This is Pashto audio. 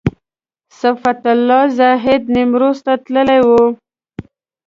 صفت الله زاهدي نیمروز ته تللی و.